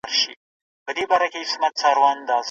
که د کارمندانو ظرفیت لوړ سي، نو تیروتنې نه ډیریږي.